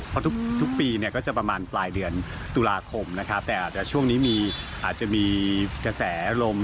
เพราะทุกปีเนี่ยก็จะประมาณปลายเดือนตุลาคมนะครับแต่อาจจะช่วงนี้อาจจะมีกระแสลม